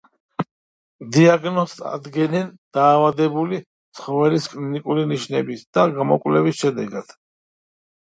დიაგნოზს ადგენენ დაავადებული ცხოველის კლინიკური ნიშნებითა და გამოკვლევის შედეგად.